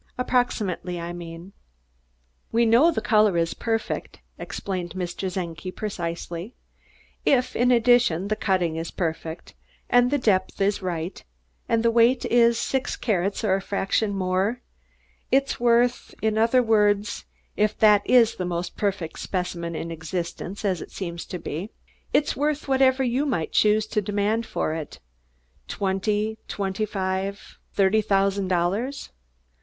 "Approximately, I mean?" "We know the color is perfect," explained Mr. Czenki precisely. "If, in addition, the cutting is perfect, and the depth is right, and the weight is six carats or a fraction more, it's worth in other words, if that is the most perfect specimen in existence, as it seems to be, it's worth whatever you might choose to demand for it twenty, twenty five, thirty thousand dollars.